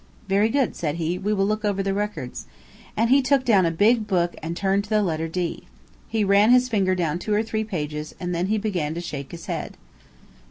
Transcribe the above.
"Very good," said he. "We will look over the records," and he took down a big book and turned to the letter D. He ran his finger down two or three pages, and then he began to shake his head.